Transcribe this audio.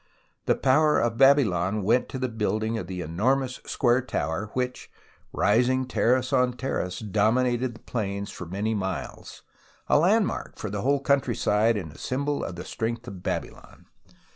The power of Babylon went to the building of the enormous square tower which, rising terrace on terrace, dominated the plains for many miles, a landmark for the whole countryside, and a symbol of the Strength of Babylon.